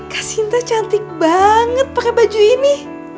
kak sinta cantik banget pake baju ini